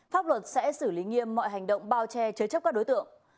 pháp luật sẽ xử lý nghiêm mọi hành động bao che chứa chấp các đối tượng